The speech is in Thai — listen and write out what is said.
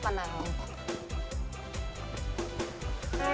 ปะนาวเหรอ